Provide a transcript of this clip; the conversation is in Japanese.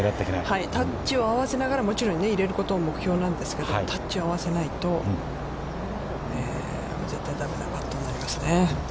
タッチを合わせながらもちろん入れることを目標なんですけど、タッチを合わせないと絶対だめだなと思いますね。